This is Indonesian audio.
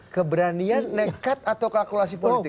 keberanian nekat atau kalkulasi politik